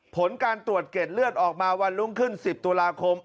ผลการตรวจเก็ดเลือดออกมาวันรุ่งขึ้น๑๐ตุลาคม